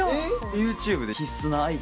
ＹｏｕＴｕｂｅで必須なアイテム。